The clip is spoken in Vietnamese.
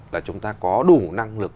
là chúng ta có đủ năng lực